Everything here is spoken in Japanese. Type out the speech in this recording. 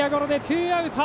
ツーアウト。